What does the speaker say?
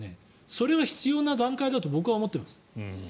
それが必要な段階だと僕は思います。